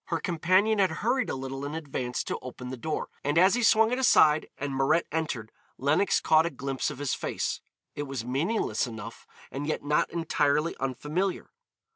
Her companion had hurried a little in advance to open the door, and as he swung it aside and Mirette entered Lenox caught a glimpse of his face. It was meaningless enough, and yet not entirely unfamiliar.